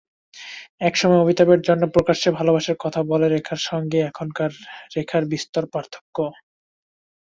একসময় অমিতাভের জন্য প্রকাশ্যে ভালোবাসার কথা বলা রেখার সঙ্গে এখনকার রেখার বিস্তর পার্থক্য।